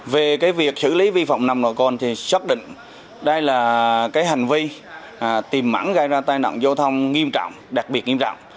về việc xử lý vi phạm nông độ cồn thì xác định đây là hành vi tìm mẵn gây ra tai nạn giao thông nghiêm trọng đặc biệt nghiêm trọng